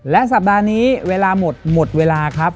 และสัปดาห์นี้เวลาหมดหมดเวลาครับ